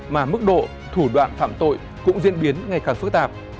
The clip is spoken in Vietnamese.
mà mức độ thủ đoạn phạm tội cũng diễn biến ngày càng phức tạp